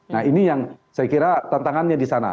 nah ini yang saya kira tantangannya di sana